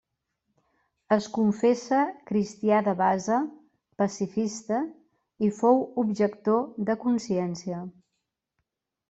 Es confessa cristià de base, pacifista, i fou objector de consciència.